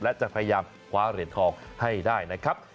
และจะพยายามคว้าเหรียญทองให้ได้นะครับ